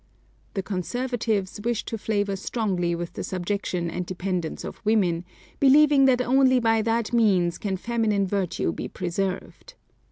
The conservatives wish to flavor strongly with the subjection and dependence of women, believing that only by that means can feminine virtue be preserved.